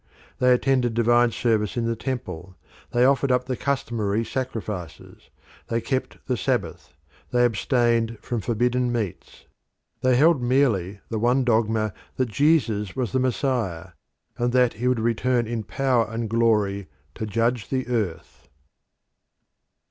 They attended divine service in the temple; they offered up the customary sacrifices; they kept the Sabbath; they abstained from forbidden meats. They held merely the one dogma that Jesus was the Messiah, and that he would return in power and glory to judge the earth.